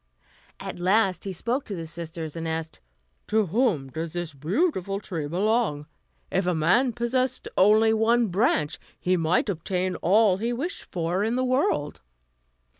At last he spoke to the sisters, and asked: "To whom does this beautiful tree belong? If a man possessed only one branch he might obtain all he wished for in the world."